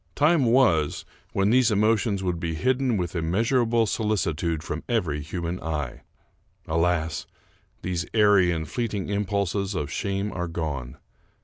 Time was, when these emotions would be hidden with immeasur able solicitude from every human eye. Alas ! these airy and fleeting impulses of shame are gone.